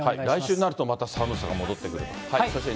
来週になるとまた寒さが戻ってくると。